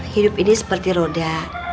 hidup ini seperti roda